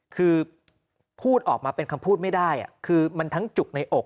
คือพูดออกมาเป็นคำพูดไม่ได้คือมันทั้งจุกในอก